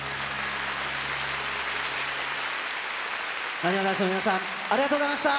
なにわ男子の皆さん、ありがとうございました。